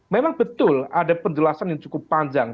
memang betul ada penjelasan yang cukup panjang